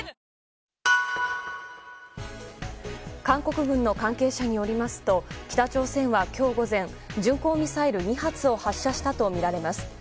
韓国軍の関係者によりますと北朝鮮は今日午前巡航ミサイル２発を発射したとみられます。